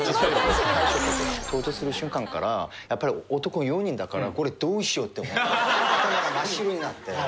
到着する瞬間からやっぱり男４人だからこれどうしようって思って頭が真っ白になって。